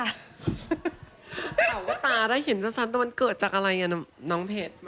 แต่ว่าตาถ้าเห็นชัดแต่มันเกิดจากอะไรน้องเพชร